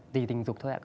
tùy tình dục thôi ạ